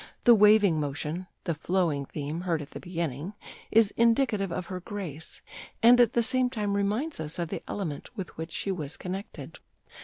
The waving motion [the flowing theme heard at the beginning] is indicative of her grace, and at the same time reminds us of the element with which she was connected."